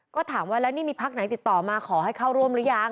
ก็ถามว่าแล้วนี่มีพักไหนติดต่อมาขอให้เข้าร่วมหรือยัง